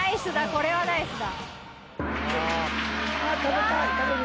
これはナイスだ。